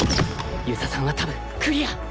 遊佐さんは多分クリアー